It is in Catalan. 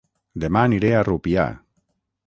Dema aniré a Rupià